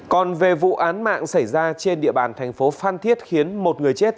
còn về vụ án mạng xảy ra trên địa bàn tp phan thiết khiến một người chết